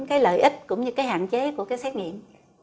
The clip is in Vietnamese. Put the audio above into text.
cái lợi ích cũng như cái hạn chế của cái xét nghiệm